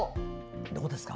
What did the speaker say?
どうですか？